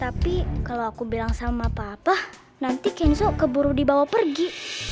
tapi kalau aku bilang sama papa nanti kenzo keburu dibawa pergi